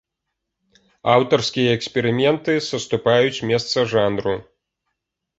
Аўтарскія эксперыменты саступаюць месца жанру.